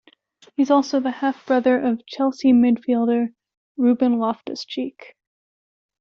He is also the half-brother of Chelsea midfielder Ruben Loftus-Cheek.